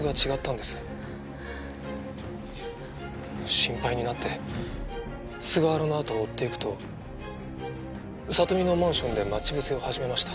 心配になって菅原のあとを追っていくと里美のマンションで待ち伏せを始めました。